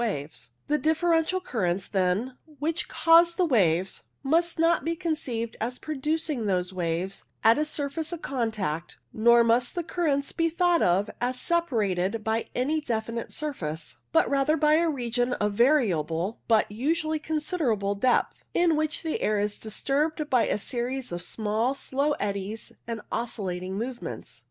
134 WAVE CLOUDS The differential currents, then, which cause the waves must not be conceived as producing those waves at a surface of contact, nor must the currents be thought of as separated by any definite surface, but rather by a region of variable but usually considerable depth, in which the air is disturbed by a series of small slow eddies and oscillatory movements.